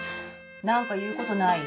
何か言うことない？